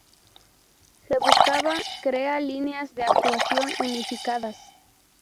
Se buscaba crea líneas de actuación unificadas.